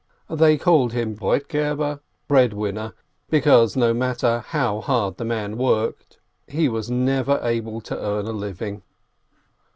They called him "breadwinner," because, no matter how hard the man worked, he was never able to earn a living.